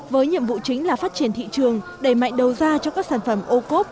với nhiệm vụ chính là phát triển thị trường đẩy mạnh đầu ra cho các sản phẩm ô cốp